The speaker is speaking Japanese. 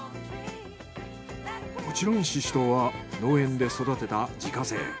もちろんシシトウは農園で育てた自家製。